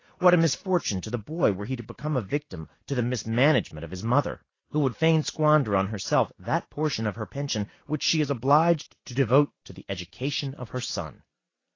What a misfortune to the boy, were he to become a victim to the mismanagement of his mother, who would fain squander on herself that portion of her pension which she is obliged to devote to the education of her son!